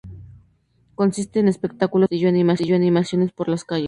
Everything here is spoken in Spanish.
Consiste en espectáculos en el castillo, animaciones por las calles.